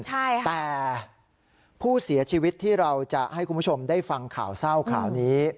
แต่ผู้เสียชีวิตที่เราจะให้คุณผู้ชมได้ฟังข่าวเศร้าข่าวนี้